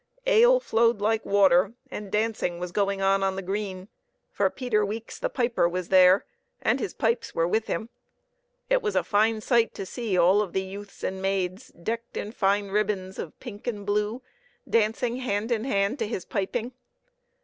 Ale flowed like water, and dancing was going on on the green, for Peter Weeks the piper was there, and his pipes were with him. It was a fine sight to see all of the youths and maids, decked in fine ribbons of pink and blue, dancing hand in hand to his piping.